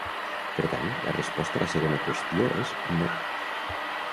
Per tant, la resposta a la segona qüestió és no.